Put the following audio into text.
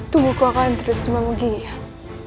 tubuhku akan terus memunggihkan